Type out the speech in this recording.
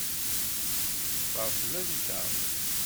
Teffer fell-anteɣ.